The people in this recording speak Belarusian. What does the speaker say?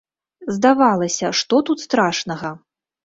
Здавалася, што тут страшнага?